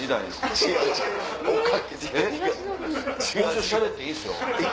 もうちょいしゃべっていいですよ